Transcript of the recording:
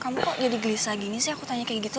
kamu kok jadi gelisah gini sih aku tanya kayak gitu